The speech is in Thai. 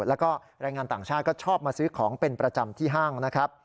แล้วก็แรงงานต่างชาติก็ชอบมาซื้อของเป็นประจำที่ห้างนะครับ